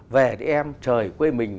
về đi em trời quê mình